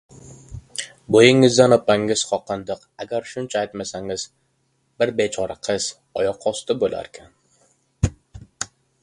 — Bo‘yingizdan opangiz qoqindiq, agar shuncha aytmasangiz, bir bechora qiz oyoqosti bo‘larkan.